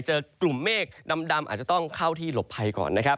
เจอกลุ่มเมฆดำอาจจะต้องเข้าที่หลบภัยก่อนนะครับ